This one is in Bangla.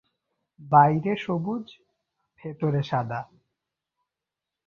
বাইরে সবুজ, ভেতরে সাদা।